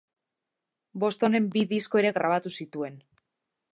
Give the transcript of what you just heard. Bostonen bi disko ere grabatu zituen.